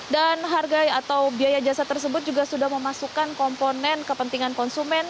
dan harga atau biaya jasa tersebut juga sudah memasukkan komponen kepentingan konsumen